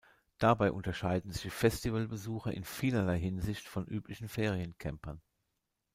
Dabei unterscheiden sich Festivalbesucher in vielerlei Hinsicht von üblichen Ferien-Campern.